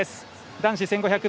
男子１５００